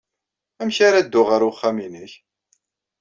Amek ara dduɣ ɣer uxxam-nnek?